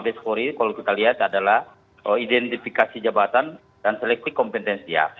bahkan kemarin dilakukan di mabes polri kalau kita lihat adalah identifikasi jabatan dan selektif kompetensi ya